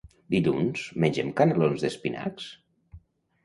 Dilluns mengem canelons d'espinacs?